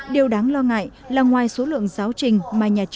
điều đáng lo ngại là ngoài số lượng giáo trình